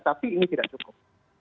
tapi ini tidak cukup